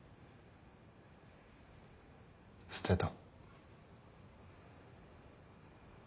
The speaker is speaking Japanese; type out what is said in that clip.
捨てた。